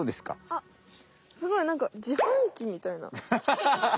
あっすごいなんか自販機みたいな。